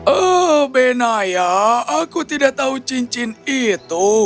oh benaya aku tidak tahu cincin itu